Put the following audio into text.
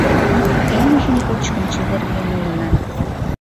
Эҥыжым кочкын чеверген улына